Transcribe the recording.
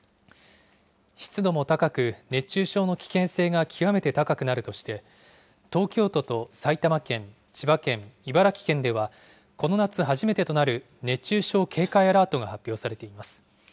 湿度も高く、熱中症の危険性が極めて高くなるとして、東京都と埼玉県、千葉県、茨城県ではこの夏初めてとなる熱中症警戒アラートが発表されています。